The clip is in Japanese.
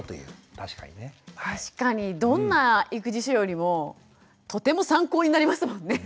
確かにどんな育児書よりもとても参考になりますもんね。